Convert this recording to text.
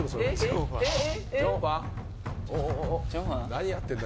何やってんだ？